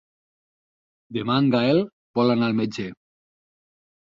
Demà en Gaël vol anar al metge.